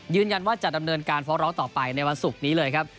ยืนยันว่าจะดำเนินการฟ้องร้องต่อไปในวันศุกร์นี้เลยครับ